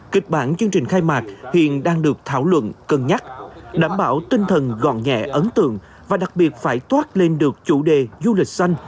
kịch bản chương trình khai mạc hiện đang được thảo luận cân nhắc đảm bảo tinh thần gọn nhẹ ấn tượng và đặc biệt phải toát lên được chủ đề du lịch xanh